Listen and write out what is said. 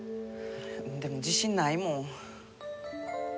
でも自信ないもん。